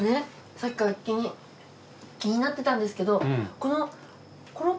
さっきから気になってたんですけど。